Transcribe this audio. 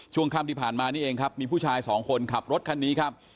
ช่วงค่ำที่ผ่านมานี่เองครับมีผู้ชายสองคนขับรถคันนี้ครับ